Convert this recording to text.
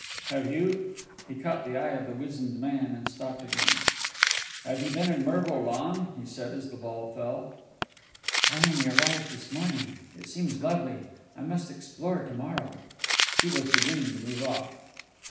"Have you ?" He caught the eye of the wizened man, and stopped again. "Have you been in Mervo long?" he said, as the ball fell. "I only arrived this morning. It seems lovely. I must explore to morrow." She was beginning to move off.